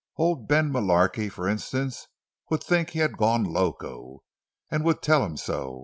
Old Ben Mullarky, for instance, would think he had gone loco—and would tell him so.